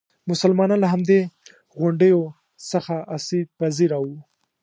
مسلمانان له همدې غونډیو څخه آسیب پذیره وو.